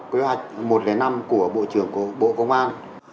kế hoạch một trăm linh năm của bộ trưởng của bộ công an